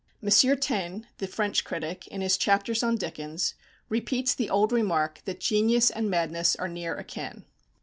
M. Taine, the French critic, in his chapters on Dickens, repeats the old remark that genius and madness are near akin.